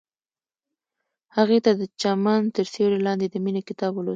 هغې د چمن تر سیوري لاندې د مینې کتاب ولوست.